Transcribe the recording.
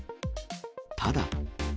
ただ。